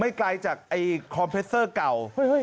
ไกลจากคอมเพสเซอร์เก่า